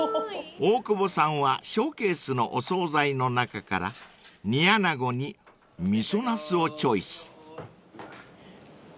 ［大久保さんはショーケースのお総菜の中から煮穴子に味噌茄子をチョイス］